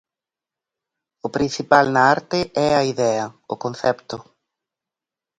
O principal na arte é a idea, o concepto.